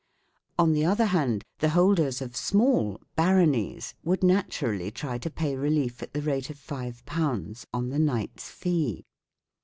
On the other hand, the holders of small " baronies " would naturally try to pay relief at the rate of 5 on the knight's fee.